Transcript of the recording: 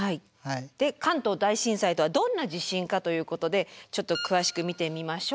で関東大震災とはどんな地震かということでちょっと詳しく見てみましょう。